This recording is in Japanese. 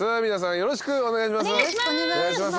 よろしくお願いします。